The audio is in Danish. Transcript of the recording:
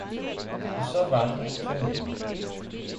Og så var de, som hjemme.